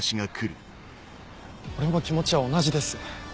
俺も気持ちは同じです。